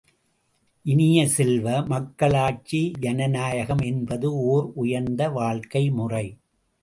இனிய செல்வ, மக்களாட்சி ஜனநாயகம் என்பது ஒர் உயர்ந்த வாழ்க்கை முறை.